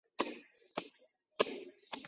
喜多诚一为昭和时代的日本陆军军人。